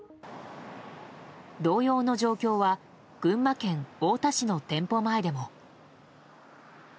同様の状況は群馬県太田市の店舗前でも。